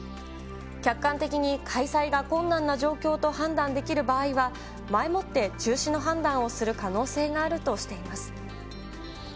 客観的に開催が困難な状況と判断できる場合は、前もって中止の判断をする可能性があるとしています。